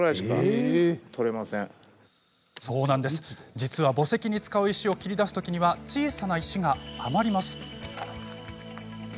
実は、墓石に使う石を切り出すときに小さな石が余ります。